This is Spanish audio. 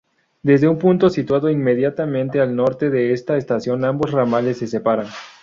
Desde un punto situado inmediatamente al norte de esta estación ambos ramales se separan.